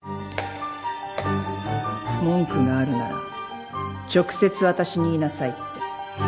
文句があるなら直接私に言いなさいって。